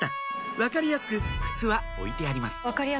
分かりやすく靴は置いてあります